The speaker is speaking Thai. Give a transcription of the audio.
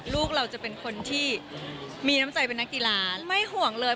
ลูกเราจะเป็นคนที่มีน้ำใจเป็นนักกีฬาไม่ห่วงเลย